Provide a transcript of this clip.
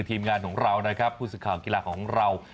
ทีมงานของเรานะครับผู้สื่อข่าวกีฬาของเรา